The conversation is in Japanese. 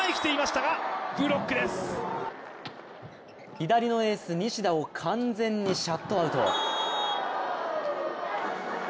左のエース・西田を完全にシャットアウト。